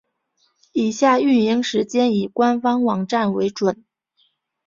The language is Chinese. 以下营运时间以官方网站为准。